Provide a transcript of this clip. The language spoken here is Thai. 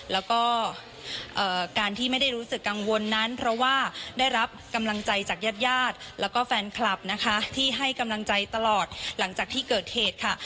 แล้วก็การที่ไม่ได้รู้สึกกังวลนั้นเพราะว่าได้รับกำลังใจจากญาติญาติแล้วก็แฟนคลับนะคะที่ให้กำลังใจตลอดหลังจากที่เกิดเหตุค่ะ